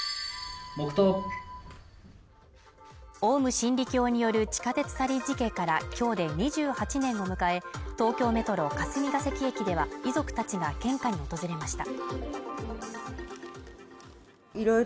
オウム真理教による地下鉄サリン事件から今日で２８年を迎え、東京メトロ霞ケ関駅では、遺族たちが献花に訪れました。